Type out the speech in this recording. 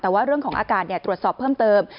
แต่ว่าเรื่องของอากาศตรวจสอบเพิ่มเติม